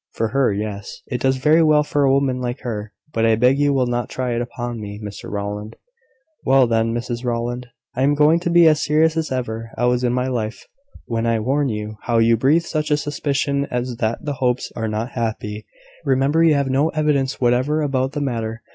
"For her, yes: it does very well for a woman like her: but I beg you will not try it upon me, Mr Rowland." "Well, then, Mrs Rowland, I am going to be as serious as ever I was in my life, when I warn you how you breathe such a suspicion as that the Hopes are not happy. Remember you have no evidence whatever about the matter.